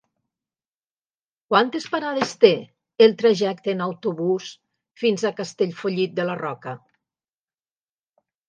Quantes parades té el trajecte en autobús fins a Castellfollit de la Roca?